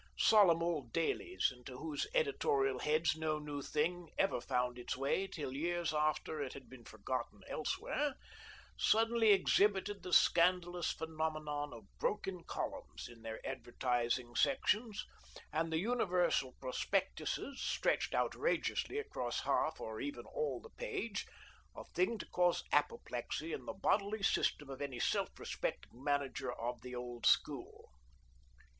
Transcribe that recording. Solemn old dailies, into whose editorial heads no new thing ever found its way till years after it had been forgotten elsewhere, suddenly exhibited the scandalous phenomenon of "broken columns" in their advertising sections, and the universal prospectuses stretched outrageously across half or even all the page — a thing to cause apoplexy in the bodily system of any self respecting manager of the old school.